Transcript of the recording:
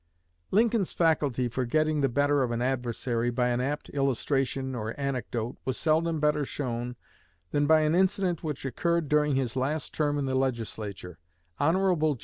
Lincoln's faculty for getting the better of an adversary by an apt illustration or anecdote was seldom better shown than by an incident which occurred during his last term in the Legislature. Hon.